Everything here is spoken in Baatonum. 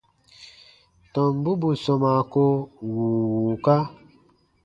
Tɔmbu bù sɔmaa ko wùu wùuka.